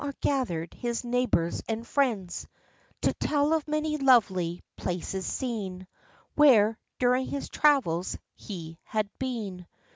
are gathered his neighbors and friends, To tell of many lovely places seen, Where, during his travels, he had been.